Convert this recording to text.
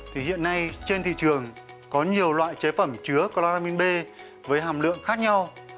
thì hiện nay trên thị trường có nhiều loại chế phẩm chứa chloramin b với hàm lượng khác nhau